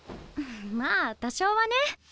まあ多少はね。